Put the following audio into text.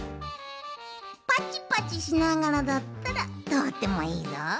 パチパチしながらだったらとおってもいいぞ。